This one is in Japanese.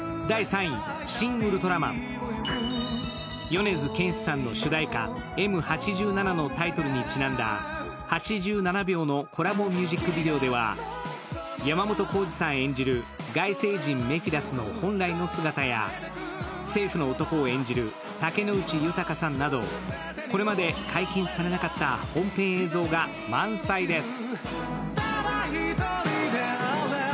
米津玄師さんの主題歌「Ｍ八七」のタイトルにちなんだ８７秒のコラボミュージックビデオでは、山本耕史さん演じる外星人メフィラスの本来の姿や政府の男を演じる竹野内豊さんなどこれまで解禁されなかった本編映像が満載です。